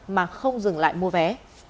mà không dừng lại mua vé